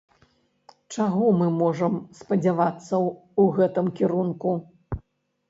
Чаго мы можам спадзявацца ў гэтым кірунку?